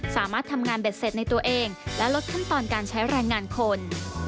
สามารถทำงานเบ็ดเสร็จในตัวเองและลดขั้นตอนการใช้แรงงานคน